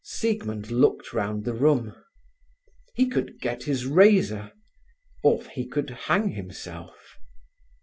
Siegmund looked round the room. He could get his razor, or he could hang himself.